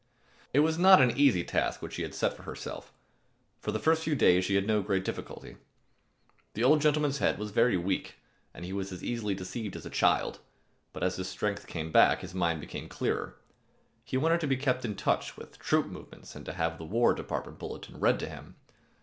It was not an easy task which she had set herself. For the first few days she had no great difficulty. The old gentleman's head was very weak and he was as easily deceived as a child, but as his strength came back his mind became clearer. He wanted to be kept in touch with troop movements and to have the War Department Bulletin read to him.